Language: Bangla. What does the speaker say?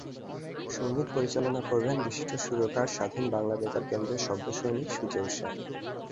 সংগীত পরিচালনা করবেন বিশিষ্ট সুরকার স্বাধীন বাংলা বেতারকেন্দ্রের শব্দসৈনিক সুজেয় শ্যাম।